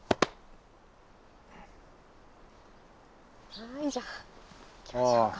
はいじゃあ行きましょうか。